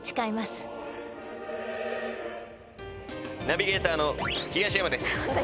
ナビゲーターの東山です